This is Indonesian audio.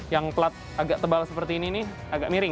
yang pelat agak tebal seperti ini nih agak miring